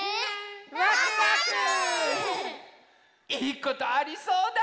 いいことありそうだ！